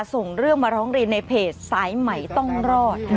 ส่งเรื่องมาร้องเรียนในเพจสายใหม่ต้องรอด